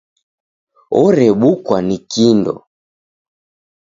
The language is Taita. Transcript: Orebukwa ni kindo.